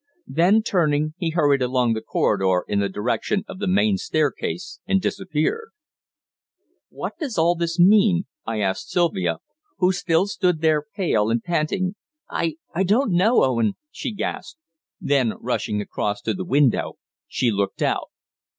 Then turning, he hurried along the corridor in the direction of the main staircase and disappeared. "What does all this mean?" I asked Sylvia, who still stood there pale and panting. "I I don't know, Owen," she gasped. Then, rushing across to the window, she looked out.